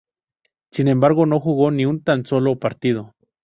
Sin embargo no jugó ni un tan solo partido.